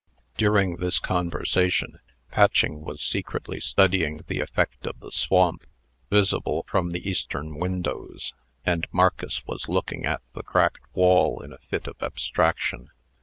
During this conversation, Patching was secretly studying the effect of the swamp, visible from the eastern windows; and Marcus was looking at the cracked wall in a fit of abstraction.